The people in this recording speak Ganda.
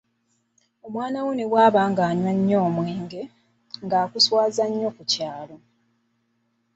Omwana wo ne bw’aba ng’anywa nnyo omwenge, ng’akuswazizza nnyo ku kyalo.